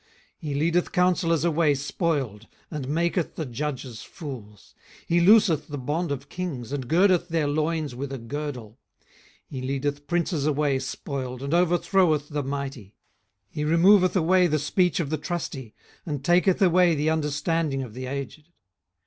18:012:017 He leadeth counsellors away spoiled, and maketh the judges fools. 18:012:018 He looseth the bond of kings, and girdeth their loins with a girdle. 18:012:019 He leadeth princes away spoiled, and overthroweth the mighty. 18:012:020 He removeth away the speech of the trusty, and taketh away the understanding of the aged.